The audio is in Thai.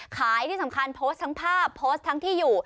ที่สำคัญโพสต์ทั้งภาพโพสต์ทั้งที่อยู่